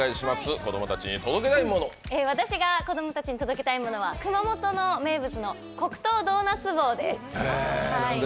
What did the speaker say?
私が子供たちに届けたいものは熊本の名物の黒糖ドーナツ棒です。